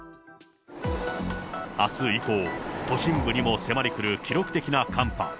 あす以降、都心部にも迫り来る記録的な寒波。